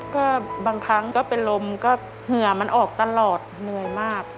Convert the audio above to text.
ก็บางครั้งก็เป็นลมก็เหงื่อมันออกตลอดเหนื่อยมาก